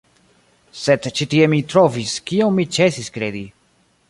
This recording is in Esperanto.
Sed ĉi tie mi trovis, kion mi ĉesis kredi.